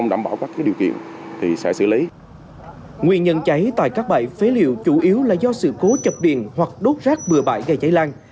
nguyên nhân cháy tại các bãi phế liệu chủ yếu là do sự cố chập điện hoặc đốt rác bừa bãi gây cháy lan